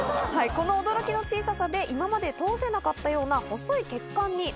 この驚きの小ささで今まで通せなかったような。